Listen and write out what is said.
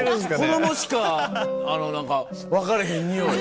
子供しか分かれへんニオイ。